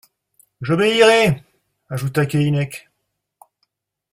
J'obéirai ! ajouta Keinec.